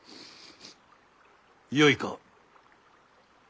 よいか。